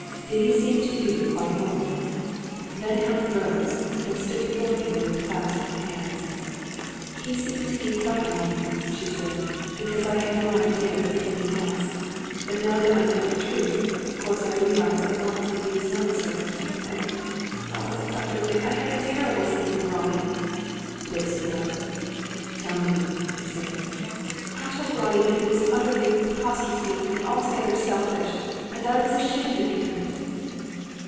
Did he seem to you quite normal?" Then Helen rose and stood before him with clasped hands. "He seemed to me quite normal," she said, "because I had no idea of anything else. But now that I know the truth, of course I realise at once that he was not so. And, oh, Dr. Dick, I had a terrible scene with Ronnie!" Dick stood up. "Tell me," he said. "I told Ronnie that he was utterly, preposterously, and altogether selfish, and that I was ashamed of him."